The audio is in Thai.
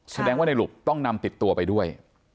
แสดงว่าในหลุบต้องนำติดตัวไปด้วย